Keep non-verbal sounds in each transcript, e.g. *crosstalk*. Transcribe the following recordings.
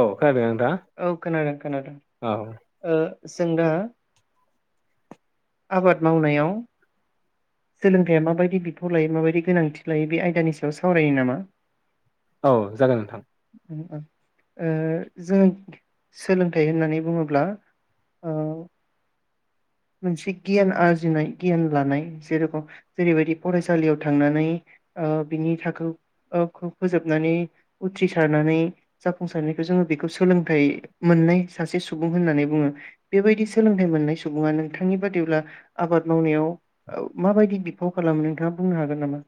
औ खोनादो औ खोनादों खोनादों। ओ जों दा आबाद मावनायाव सोलोंथाइया माबायदि बिफाव लायो। माबायदि गोनांथि लायो। बे आयदानि सायाव सावरायो नामा? औ जागोन नोंथां। उम ओ ओ जों सोलोंथाइ होननानै बुङोब्ला ओ मोनसे गियान आरजिनाय गियान लानाय जेरखम जेरैबायदि फरायसालियाव थांनानै ओ बिनि थाखोखौ फोजोबनानै उथ्रिसारनानै जाफुंसारनायखौ जोङो बेखौ सोलोंथाइ मोननाय सासे सुबुं होननानै बुङो। बेबायदि सोलोंथाइ मोननाय सुबुङानो थांनि बादिब्ला आबाद मावनायाव औ माबायदि बिफाव खालामो नोंथाङा बुंनो हागोन नामा?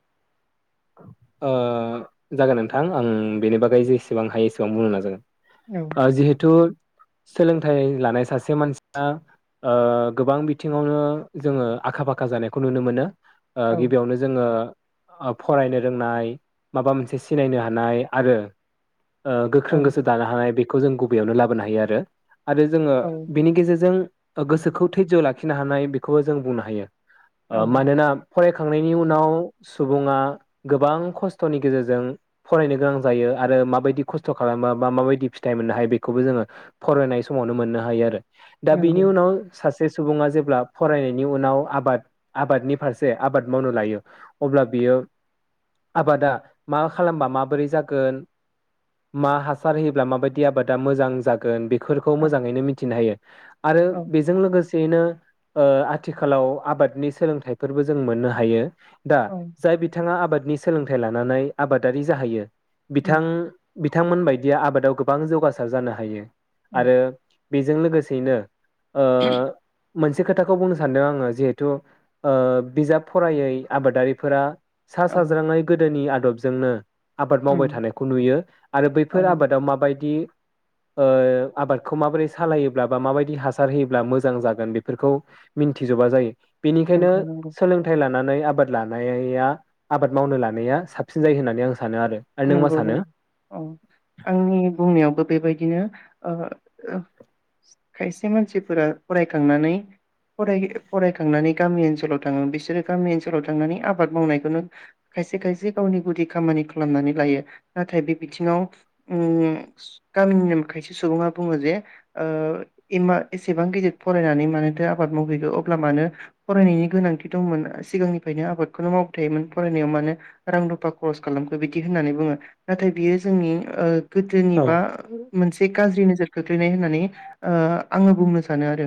ओ जागोन नोंथां आं बेनि बागै जेसेबां हायो एसेबां बुंनो नाजागोन। औ ओ जिहेथु सोलोंथाइ लानाय सासे मानसिया ओ गोबां बिथिङावनो जोङो आखा फाखा जानायखौ नुनो मोनो। ओ औ गिबियावनो जोङो आब फरायनो रोंनाय माबा मोनसे सिनायनो हानाय आरो। ओ गोख्रों औ गोसो दानो हानाय बे बेखौ जों गुबैयावनो लाबोनो हायो आरो। आरो जोंङो औ बेनि गेजेरजों ओ गोसोखौ धोयज' लाखिनो हानाय बेखौबो जों बुंनो हायो। ओ औ मानोना फरायखांनायनि उनाव सुबुङा गोबां खस्थनि गेजेरजों फरायनो गोनां जायो आरो माबायदि खस्थ खालामा बा माबायदि फिथाइ मोननो हायो बेखौबो जोङो फरायनाय समावनो मोननो हायो आरो। दा बिनि नंगौ उनाव सासे सासे सुबुङा जेब्ला फरायनायनि उनाव आबाद आबादनि फारसे आबाद मावनो लायो अब्ला बेयो आबादा मा खालामबा माबोरै जागोन मा हासार होयोब्ला माबायदि आबादा मोजां जागोन बे फोरखौ औ मोजाङैनो मिथिनो हायो। आरो औ बेजों लोगोसे सेयैनो आथिखालाव आबादनि सोलोंथाइफोरबो जों मोननो हायो। दा औ जाय बिथाङा आबादनि सोलोंथाइ लानानै आबादारि जाहैयो उम बिथां बिथांमोन बायदिया आबादाव गोबां जौगासार जानो हायो। उम आरो बेजों लोगोसेयैनो ओ मोनसे खोथाखौ बुंनो सानदों आङो जिहेथु ओ बिजाब फरायै आबादारिफोरा सा औ साज्रांङै गोदोनि आ आदबजोंनो आबाद मावबाय उम थानायखौ नुयो आरो औ बैफोर आबादाव माबायदि ओ आबादखौ माबोरै सालायोब्ला बा माबायदि हासार होयोब्ला मोजां जागोन बेफोरखौ मिन्थिजोबा जायो। बेनिखायनो नंगौ नंगौ सोलोंथाइ लानानै आबाद लानाया आबाद मावनो लानाया साबसिन जायो होननानै आं सानो आरो आरो नों मा नोंगौ सानो? नोंगौ औ आंनि बुंनायावबो बेबायदिनो। ओ खायसे मानसिफोरा फरायखांनानै फरायखांनानै गामि ओनसोलाव थाङो बिसोरो गामि ओनसोलाव थांनानै आबाद मावनायखौनो खायसे खायसे गावनि गुदि खामानि लामनानै लायो नाथाय बे बिथिङाव गामिनि खायसे सुबुङा बुङो जे ओ एसेबां गिदिर फरायनानै मानोथो आबाद मावहैगौ अब्ला मानो फरायनायनि गोनांथि दंमोन सिगांनिफ्रायनो आबादखौनो मावबाय थायोमोन फरायनायाव मानो रां रुफा खरस खालाम बिदि होननानै बुङो नाथाय बियो जोंनि ओ औ गोदोनिबा मोनसे गाज्रि नोजोर खोख्लैनाय होननानै ओ आङो बुंनो सानो आरो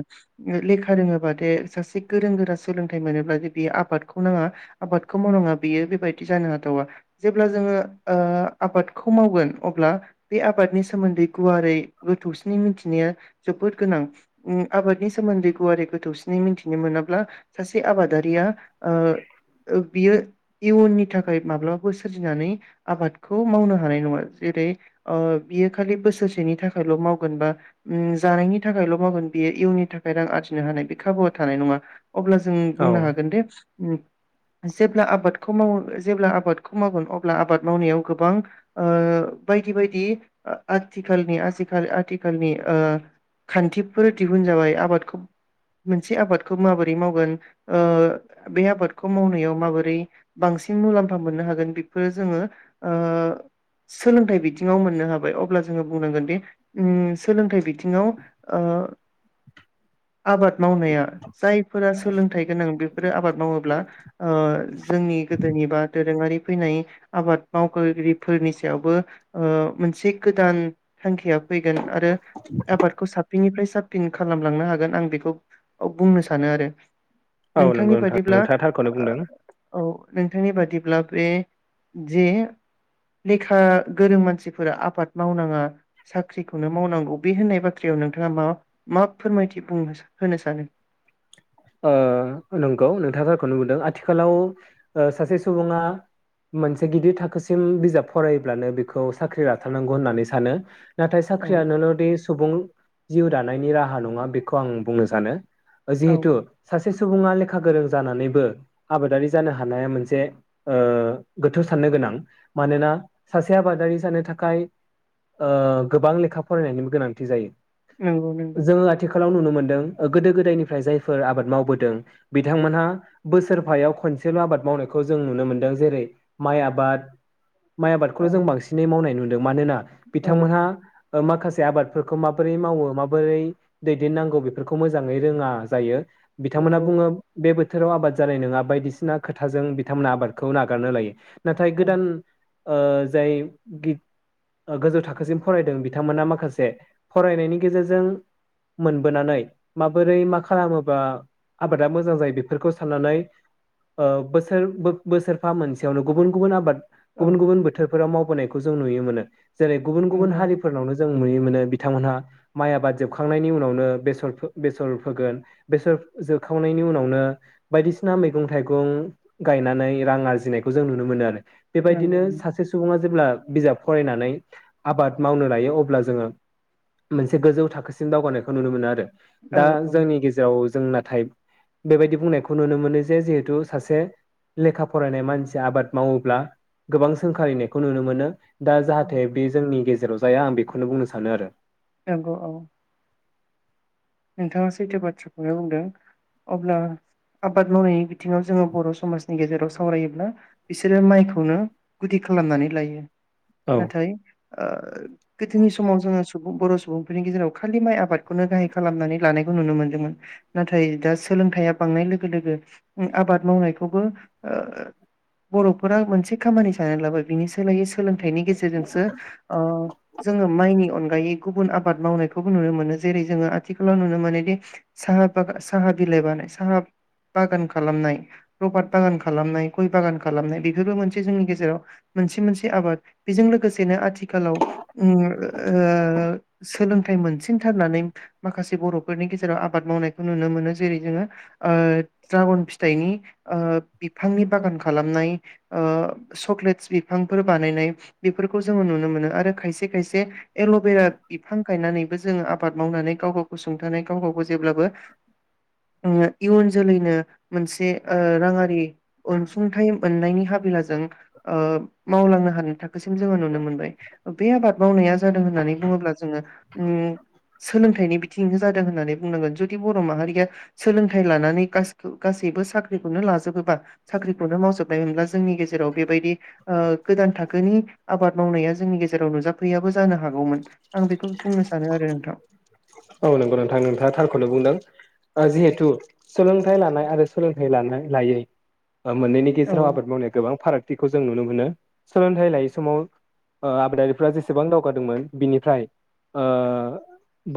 लेखा रोङोबा दे सासे गोरों गोरा सोलोंथाइ मोनोब्ला जे बियो आबादखौ नाङा आबादखौ मावनाङा बियो बे बायादि जानो हाथावा। जेब्ला जोङो ओ आबादखौ मावगोन अब्ला बे आबादनि सोमोन्दै गुवारै गोथौसिनै मिथिनाया जोबोद गोनां आबादनि सोमोन्दै गुवारै गोथौसिनै मिथिनो मोनाब्ला सासे आबादारिया ओ बियो इयुननि थाखाय माब्ला सोरजिनानै आबादखौ मावनो हानाय नङा जेरै़ ओ बियो खालि बोसोरसेनि थाखायल' मावगोन बा जानायनि थाखायल मावगोन बियो इउननि थाखाय रां आरजिनो हानाय बे खाबुआ थानाय नङा। अब्ला जों औ बुंनो हागोन दे *unintelligible* जेब्ला आबादखौ मावो जेब्ला आबाद खौ मावगोन अब्ला आबाद मावनायाव गोबां ओ बायदि बायदि आथिखालनि आथिखाल आथिखालनि ओ खान्थिफोर दिहुन जाबाय आबादखौ मोनसे आबादखौ माबोरै मावगोन ओ बे आबादखौ मावनायाव माबोरै बांसिन मुलाम्फा मोननो हा गोन बेफोरो जोङो ओ सोलोंथाइ बिथिङाव मोननो हाबाय अब्ला जोङो बुंनांगोन दि उम सोलोंथाइ बिथिङाव ओ आबाद मावनाया जायफोरा सोलोंथाइ गोनां बे फोरो आबाद मावोब्ला ओ जोंनि गोदोनि बा दोरोङारि फैनाय आबाद मावखगिरिफोरनि सायावबो ओ मोनसे गोदान थांखिया फैगोन आरो आबादखौ साबफिननिफ्राय साबफिन खालामलांनो हागोन आं बेखौ बुंनो सानो आरो औ नंगौ नोंथांनि नोंथां बादिब्ला नोंथाङा थारखौनो बुंदों औ नोंथांनि बादिब्ला बे जे लेखा गोरों मानसिफोरा आबाद मावनाङा साख्रिखौनो मावनांगौ बे होननाय बाथ्रायाव नोंथाङा मा मा फोरमायथि बुंनो होनो सानो? ओ नंगौ नोंथाङा थारखौनो बुंदों आथिखालाव ओ सासे सुबुङा मोनसे गिदिर थाखोसिम बिजाब फरायोब्लानो बेखौ साख्रि लाथारनांगौ होननानै सानो। नाथाय औ साख्रियानोल'दि सुबुं जिउ दानायनि राहा नङा बेखौ आं बुंनो सानो। औ जिहेतु सासे सुबुङा लेखा गोरों जानानैबो आबादारि जानो हानाया मोनसे ओ गोथौ साननो गोनां मानोना सासे आबादारि जानो थाखाय ओ गोबां लेखा फरायनायनिबो गोनांथि जायो। नंगौ नंगौ। लाव नुनो मोनदों गोदो गोदायनिफ्राय जाय फोर आबाद मावबोदों बिथांमोनहा बोसोरफायाव खनसेल' आबाद मावनायखौ जों नुनो मोनदों जेरै माइ आबाद माइ आबादखौ औ जों बांसिनै मावनाय नु मानोना औ बिथांमोनहा ओ माखासे से आबादफोरखौ माबोरै मावो माबोरै दैदेननांगौ बेफोरखौ मोजाङै रोङा जायो। बिथांमोना नंगौ बुङो बे बो थोराव आबाद जानाय नोङा बायदिसिना खोथाजों बिथांमोना आबादखौ नागारनो लायो। नाथाय औ गोदान ओ जाय गि-गोजौ थाखोसिम फरायदों बिथांमोना माखासे फरायनायनि गेजेरजों मोनबोनानै माबोरै मा खालामो बा आबादा मोजां जायो बेफोरखौ साननानै ओ बोसोर बोसोरफा मोनसेयावनो गुबुन गुबुन आबाद औ गुबुन गुबुन बोथोरफोराव माव नायखौ जों नुयो मोनो। जेरै गुबुन गुबुन नंगौ हारिफोरनावनो जों नुयो मोनो बिथांमोनहा माइ आबाद जोबखांनायनि उनावनो बेसर बेसर फोगोन बेसर जोखावनायनि उनावनो बायदिसिना मैगं थाइगं गायनानै रां आरजिनायखौ जों नुनो मोनो आरो बेबायदिनो नंगौ सासे सुबुङा जेब्ला बिजाब फरायनानै आबाद मावनो लायो अब्ला जोङो मोनसे गोजौ थाखोसिम दावगानायखौ नुनो मोनो आरो औ दा औ जोंनि गेजे खौ जों नाथाय बेबायदि बुंनायखौ नुनो मोनो जे जिहेथु सासे लेखा फरायनाय मानसिया आबाद मावोब्ला गोबां सोंखारिनायखौ नुनो मोनो। दा जाहाथे बे जोंनि गेजे जेराव जाया आं बेखौनो बुंनो सानो आरो। नंगौ औ। नोंथाङा सैथो बाथ्राखौनो बुंदों अब्ला आबाद मावनायनि बिथिङाव जोङो बर' समाजनि गेजेराव सावरायोब्ला बिसोरो माइखौनो गुदि खालामनानै लायो। औ नाथाय। ओ गोदोनि समाव जोङो सुबुं बर' सुबुंफोरनि गेजेराव खालि माइ आबादखौनो गाहाय। खालामनानै लानायखौ नुनो मोन्दोंमोन नाथाय दा सोलोंथाया बांनाय लोगो लोगो आबाद मावनायखौबो ओ बर'फोरा मोनसे खामानि साननानै लाबाय बिनि सोलायै। सोलोंथाइनि गेजेरजोंसो ओ जोङो माइनि अनगा गायै गुबुन आबाद मावनायखौबो नुनो मोनो जेरै जोङो थिखालाव नुनो मोनोदि साहा बागान बिलाइ बानायनाय साहा बागान खालामनाय रबाद बागान खालामनाय गय बागान खालामनाय बेफोरबो मोनसे जोंनि गेजेराव मोनसे मोनसे आबाद बेजों लोगोसेनो आथि खालाव जोङो ओ सोलोंथाइ मोनसिनथारनानै। माखासे बर'फोरनि गेजेराव आबाद मावनायखौ नुनो मोनो जेरै जोङो ओ द्रागन फिथाइनि ओ बिफांनि बागान खालामनाय ओ सक्लेटस बिफांफोर बानायनाय बेफोरखौ जोङो नुनो मोनो आरो खायसे खायसे एल'बेरा बिफां गायनानैबो जोङो आबाद मावनानै। गाव गावखौ सुंथानाय गाव गावखौ जेब्लाबो इयुन जोलैनो मोनसे ओ राङारि अनसुंथाइ मोननायनि हाबिलाजों। ओ मावलांनो हानाय थाखोसिम जोङो नुनो मोनबाय बे आबाद मावनाया जादों होननानै बुङोब्ला जोङो ओं सोलों थाइनि बिथिं जादों होननानै बुंनांगोन जुदि बर'माहारिया सोलोंथाइ लानानै गासि-गासैबो साख्रिखौनो लाजोबोबा साख्रिखौनो मावजोबनाय मोनब्ला जोंनि गेजेराव बेबायदि ओ गोदान थाखोनि आबाद मावनाया जोंनि गेजेराव नुजाफैयाबो जानो हागौमोन आं बेखौ बुंनो सानो आरो नोंथां। औ नंगौ नोंथां नोंथाङा थारखौनो बुंदों ओ जिहेथु सोलोंथाइ लानाय आरो सोलोंथाइ लानाय लायै। मोननैनि औ गेजेराव आबाद मावनाया गोबां फाराग। थिखौ जों नुनो मोनो सोलोंथाइ लायै समाव ओ आबादारिफ्रा जेसेबां दावगादोंमोन बिनिफ्राय ओ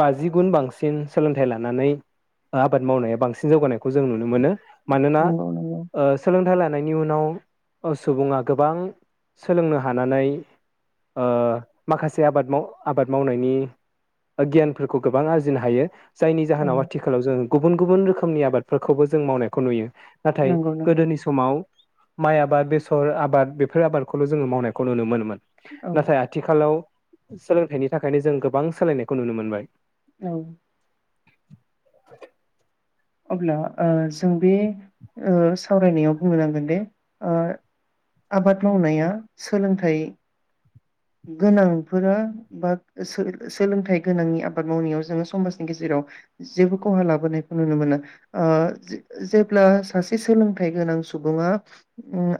बाजि गुन बांसिन सोलोंथाइ लानानै आबाद मावनाया बांसिन जौगानायखौ जों नुनो मोनो। मानोना नंगौ नंगौ ओ सोलोंथाइ लानो लानायनि उनाव ओ सुबुङा गोबां सोलोंनो हानानै ओ माखासे आबाद माव आबाद मावनायनि गियान खौ गोबां आरजिनो हायो। जायनि औ जाहोनाव आथिखालाव जों गुबुन गुबुन रोखोमनि आबादफोरखौबो जों मावनायखौ नुयो। नाथाय नंगौ नंगौ गोदोनि समाव। माइ आबाद बेसर आबाद बेफोर आबादखौल' जोङो मावनायखौ नुनो मोनोमोन। औ नाथाय आथिखालाव। सोलोंथाइनि थाखायनो जों गोबां सोलायनायखौ नुनो मोनबाय। औ। *inaudible* अब्ला ओ जों बे ओ सावरायनायाव बुंनो नांगोनदि ओ आबाद मावनाया सोलोंथाइ गोनांफोरा बा सोलों-सोलोंथाइ गोनांनि आबाद मावनायाव जोङो समाजनि गेजेराव जेबो खहा लाबोनायखौ नुनो मोना ओ जेब्ला सासे सोलोंथाइ गोनां सुबुङा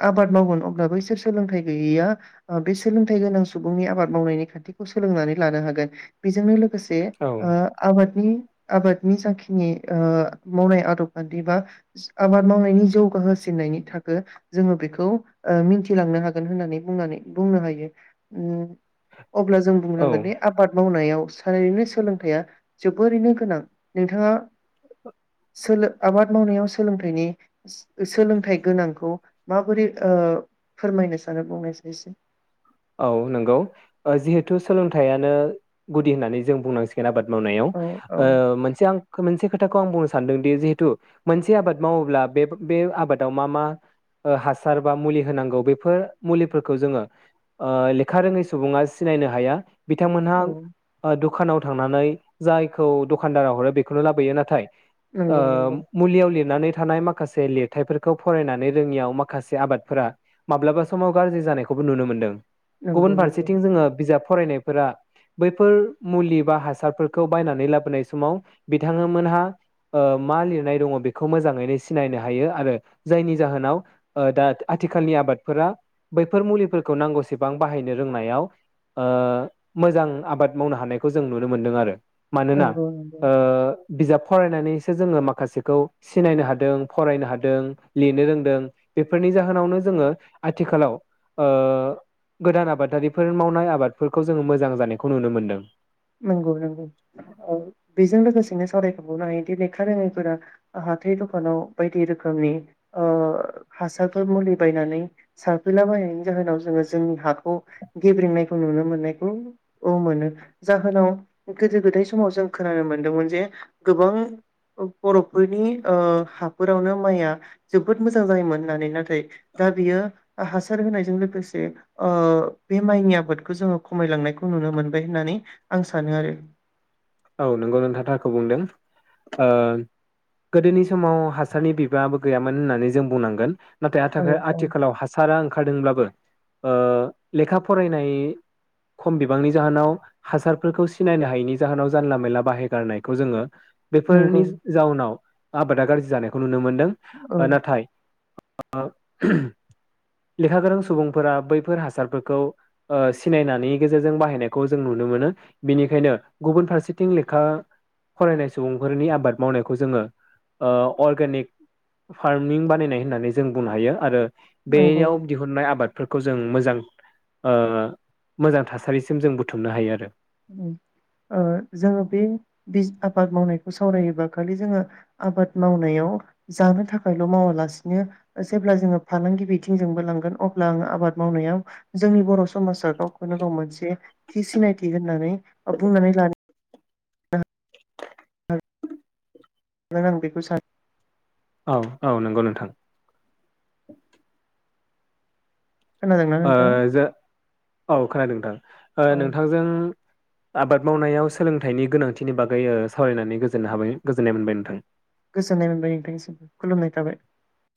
आबाद मावगोन अब्ला बैसोर सोलोंथाइ गैयैया ओ बे सोलोंथाइ गोनां सुबुंनि आबाद मावनायनि खान्थिखौ सोलोंनानै लानो हागोन बेजोंनो लोगोसे औ ओ आबादनि आबादनि जाखिनि ओ मावनाय आदब खान्थि बा आबाद मावनायनि जौगाहोसिननायनि थाखो जोङो बेखौ ओ मिन्थिलांनो हागोन होननानै बुंनानै बुंनो हायो। उम। अब्ला जों औ बुंनांगोन दि आबाद मावनायाव थारैनो सोलोंथाइआ जोबोरैनो गोनां नोंथाङा *inaudible* सोलो आबाद मावनायाव सोलोंथाइनि सोलोंथाइ औ नंगौ जिहेथु सोलोंथाइयानो गुदि होननानै जों बुंनांसिगोन आबाद मावनायाव औ औ ओ मोनसे आं मोनसे खोथाखौ आं बुंनो सानदोंदि जिहेतु मोनसे आबाद मावोब्ला बे बे आबादाव मा मा हासार बा ओ मुलि होनांगौ बेफोर मुलिफोरखौ जोंङो ओ लेखा रोङै सुबुङा सिनायनो हाया। बिथांमोनहा औ ओ दु दखानाव थांनानै जायखौ दखानदारा हरो बेखौनो लाबोयो नाथाय ओ नंगौ नंगौ मुलियाव लिरनानै थानाय माखासे लिरथायफोरखौ फरायनानै रोङियाव माखासे आबादफोरा माब्लाबा समाव गाज्रि जानायखौबो नुनो मोनदों। नंगौ गुबुन नंगौ फारसेथिं जोंङो बिजाब फरायनायफोरा बैफोर मुलि बा हासारफोरखौ बायनानै लाबोनाय समाव बिथांमोनहा ओ मा लिरनाय दङ बेखौ मोजाङैनो सिनायनो हायो आरो जायनि जाहोनाव दा आथिखालनि आबादफोरा बैफोर मुलिफोरखौ नांगौ एसेबां बाहायनो रोंनायाव ओ मोजां आबाद मावनो हानायखौ जों नुनो मोनदों आरो मानोना नंगौ नंगौ ओ बिजाब फरायनानैसो जोंङो माखासेखौ सिनायनो हादों फरायनो हादों लिरनो रोंदों बेफोरनि जाहोनावनो जोंङो आथिखालाव ओ गोदान आबादारिफोर मावनाय आबादफोरखौ जोंङो मोजां जानायखौ नुनो मोनदों। नंगौ नंगौ औ बेजों लोगोसेनो सावरायखांबावनो हायो। बिदि लेखा रोङैफोरा हाथाय दखानाव बायदि रोखोमनि हासारफोर मुलि बायनानै सारफैलाबायनायनि जाहोनाव जोंङो जोंनि हाखौ गेब्रेंनायखौ नुनो मोननायखौ मोनो जाहोनाव गोदो गोदाय समाव जों खोनानो मोनदोंमोन जे गोबां बर'फोरनि हाफोरावनो माइआ जोबोद मोजां जायोमोन होननानै नाथाय दा बियो हासार होनायजों लोगोसे बे माइनि आबादखौ जोंङो खमायलांनायखौ नुनो मोनबाय होननानै आं सानो आरो औ नंगौ नोंथां थारखौ बुंदों ओ गोदोनि समाव हासारनि बिबाङाबो गैयामोन होननानै जों बुंनांगोन। नाथाय आथा औ औ आथिखालाव हासारा ओंखारदोंब्लाबो ओ लेखा फरायनाय खम बिबांनि जाहोनाव हासारफोरखौ सिनायनो हायैनि जाहोनाव जानला मेला बाहायगारनायखौ जोंङो नंगौ बेफोरनि जाउनाव आबादा गाज्रि जानायखौ नुनो मोनो। दों औ नाथाय *unintelligible* लेखा गोरों सुबुंफोरा बैफोर हासारफोरखौ सिनायनानै गेजेरजों बाहायनायखौ जों नुनो मोनो बेनिखायनो गुबुन फारसे फारसेथिं लेखा फरायनाय सुबुंफोरनि आबाद मावनायखौ जोंङो ओ अर्गेनिक फार्मिं बानायनाय होननानै जों बुंनो हायो आरो नंगौ बेयाव दिहुननाय आबाद बेफोरखौ जों मोजां ओ मोजां थासारिसिम जों बुथुमनो हायो आरो ओ जोंङो बे आबाद मावनायखौ सावरायोबा खालि जोंङो आबाद मावनायाव जानो थाखायल' मावालासिनो जेब्ला जोंङो फालांगि बिथिंजोंबो लांगोन अब्ला आंङो आबाद मावनायाव जोंनि बर' समाजा गावखौनो गाव मोनसे थि सिनायथि होननानै बुंनानै ला *unintelligible* आं बेखौ सानो औ औ नंगौ नोंथां खोनादोंना नोंथाङा ज औ खोनादों नोंथां औ नोंथांजों आबाद मावनायाव सोलोंथाइनि गोनांथिनि बागै ओ सावरायनानै गोजोन हाबाय गोजोननाय मोनबाय नोंथां। गोजोननाय मोनबाय नोंथांनिसिमबो खुलुमनाय थाबाय।